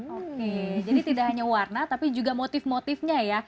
oke jadi tidak hanya warna tapi juga motif motifnya ya